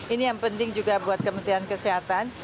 ini yang penting juga buat kementerian kesehatan